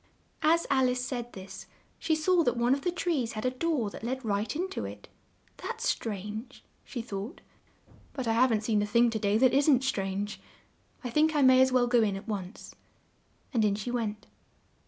As Al ice said this, she saw that one of the trees had a door that led right in to it. "That's strange!" she thought; "but I haven't seen a thing to day that isn't strange. I think I may as well go in at once." And in she went.